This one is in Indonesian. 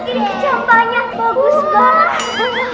ini kecambahnya bagus banget